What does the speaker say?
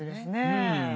うん。